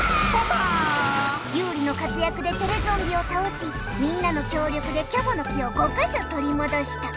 ユウリのかつやくでテレゾンビをたおしみんなのきょうりょくでキョボの木を５かしょとりもどした。